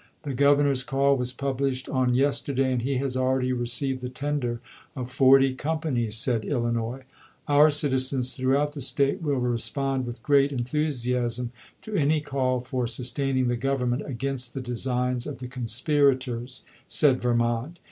" The G overnor's call was published on yesterday, and he has already received the tender of forty companies," said Illinois. " Our citizens throughout the State will respond with great en thusiasm to any call for sustaining the Grovern ment against the designs of the conspirators," said Veimont.